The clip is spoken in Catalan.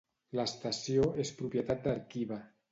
L'estació és propietat d'Arqiva.